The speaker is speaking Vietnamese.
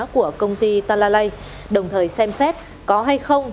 của công ty ta la lây đồng thời xem xét có hay không